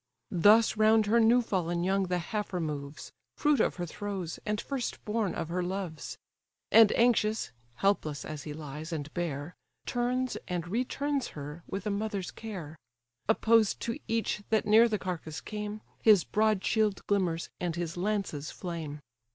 Thus round her new fallen young the heifer moves, Fruit of her throes, and first born of her loves; And anxious (helpless as he lies, and bare) Turns, and re turns her, with a mother's care, Opposed to each that near the carcase came, His broad shield glimmers, and his lances flame.